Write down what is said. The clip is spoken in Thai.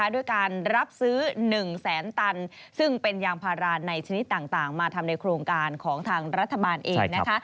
ด้วยการรับซื้อ๑แสนตันซึ่งเป็นยางพาราในชนิดต่างมาทำในโครงการของทางรัฐบาลเอง